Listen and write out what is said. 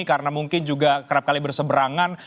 karena mungkin juga kerap kali berseberangan